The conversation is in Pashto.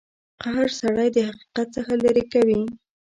قهر سړی د حقیقت څخه لرې کوي.